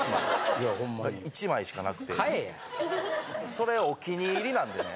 それお気に入りなんでね